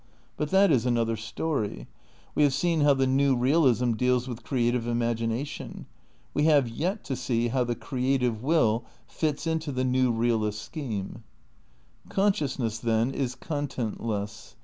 But that is another story. We have seen how the new realism deals with creative imagination. "We have yet to see how the creative will fits into the new realist scheme. Consciousness then is contentless.